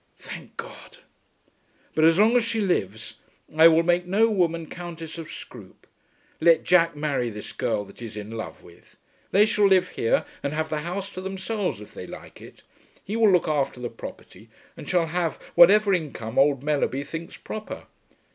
"Thank God." "But as long as she lives I will make no woman Countess of Scroope. Let Jack marry this girl that he is in love with. They shall live here and have the house to themselves if they like it. He will look after the property and shall have whatever income old Mellerby thinks proper.